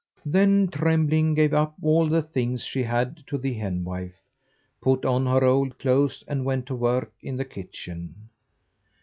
Then Trembling gave up all the things she had to the henwife, put on her old clothes, and went to work in the kitchen.